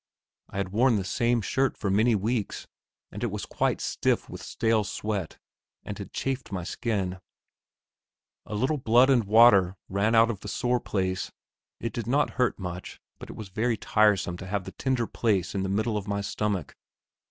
I had worn the same shirt for many weeks, and it was quite stiff with stale sweat, and had chafed my skin. A little blood and water ran out of the sore place; it did not hurt much, but it was very tiresome to have this tender place in the middle of my stomach.